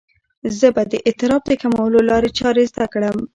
زه به د اضطراب د کمولو لارې چارې زده کړم.